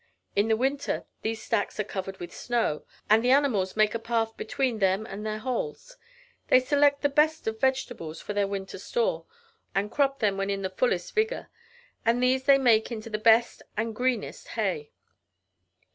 In the winter these stacks are covered with snow, and the animals make a path between them and their holes. They select the best of vegetables for their winter store, and crop them when in the fullest vigor, and these they make into the best and greenest hay.